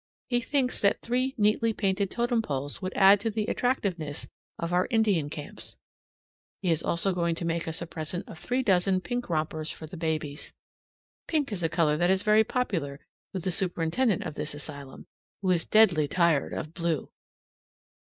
He thinks that three neatly painted totem poles would add to the attractiveness of our Indian camps. He is also going to make us a present of three dozen pink rompers for the babies. Pink is a color that is very popular with the superintendent of this asylum, who is deadly tired of blue!